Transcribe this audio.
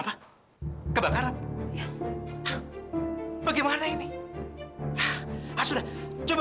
sampai jumpa di video selanjutnya